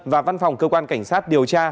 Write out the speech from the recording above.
và văn phòng cơ quan cảnh sát điều tra